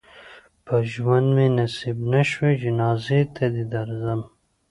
په ژوند مې نصیب نه شوې جنازې ته دې درځم.